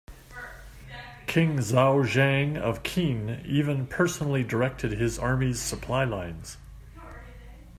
King Zhaoxiang of Qin even personally directed his army's supply lines.